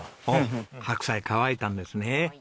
おっ白菜乾いたんですね。